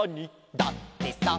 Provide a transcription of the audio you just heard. だってさ」